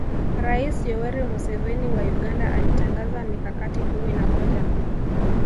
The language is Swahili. Rais Yoweri Museveni wa Uganda alitangaza mikakati kumi na moja